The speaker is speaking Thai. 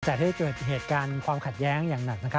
แต่ถ้าเกิดเป็นเหตุการณ์ความขัดแย้งอย่างหนัก